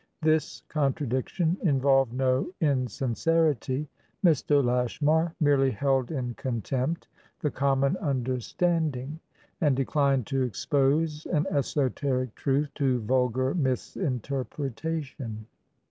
This contradiction involved no insincerity; Mr. Lashmar merely held in contempt the common understanding, and declined to expose an esoteric truth to vulgar misinterpretation.